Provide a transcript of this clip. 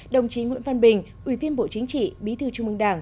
đồng chí nguyễn văn bình ủy viên bộ chính trị bí thư trung mương đảng